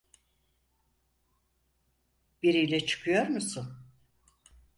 Biriyle çıkıyor musun?